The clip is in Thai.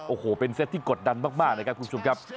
โอ้โหเป็นเซตที่กดดันมากนะครับคุณผู้ชมครับ